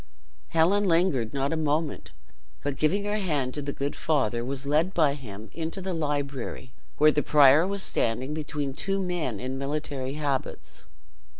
Helen lingered not a moment, but giving her hand to the good father, was led by him into the library, where the prior was standing between two men in military habits.